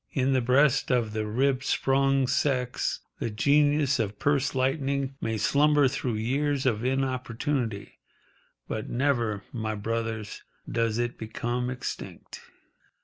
In the breast of the rib sprung sex the genius of purse lightening may slumber through years of inopportunity, but never, my brothers, does it become extinct.